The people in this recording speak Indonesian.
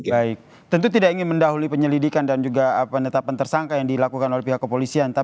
baik tentu tidak ingin mendahului penyelidikan dan juga penetapan tersangka yang dilakukan oleh pihak kepolisian